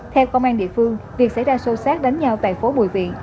theo công an địa phương việc xảy ra sâu sát đánh nhau tại phố bùi viện